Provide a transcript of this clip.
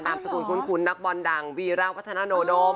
สกุลคุ้นนักบอลดังวีระพัฒนาโนโดม